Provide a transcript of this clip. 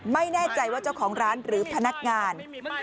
ไม่แน่ใจว่าเจ้าของร้านหรือพนักงาน